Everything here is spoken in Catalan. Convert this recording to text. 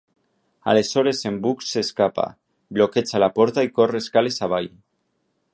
Aleshores en Bugs s'escapa, bloqueja la porta i corre escales avall.